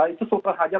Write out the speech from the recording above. itu sudah terhajat